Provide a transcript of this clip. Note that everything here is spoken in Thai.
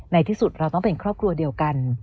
ในที่สุดเราต้องเป็นครอบครัวเดียวกัน